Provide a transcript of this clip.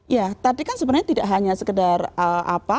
ya tadi kan sebenarnya tidak hanya sekedar apa